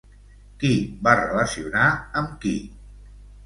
Qui va relacionar amb qui?